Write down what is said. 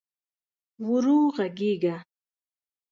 ورو ږغېږه !